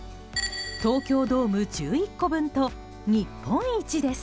東京ドーム１１個分と日本一です。